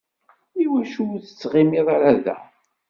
Iwacu ur tettɣimiḍ ara da?